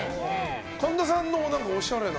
神田さんのはおしゃれな。